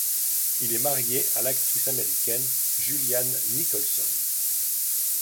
Il est marié à l'actrice américaine Julianne Nicholson.